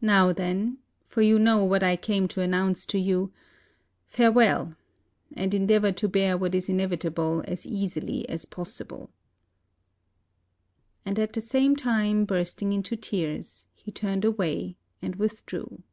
Now, then, for you know what I came to announce to you, farewell, and endeavor to bear what is inevitable as easily as possible." And at the same time, bursting into tears, he turned away and withdrew.